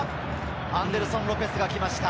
アンデルソン・ロペスが来ました。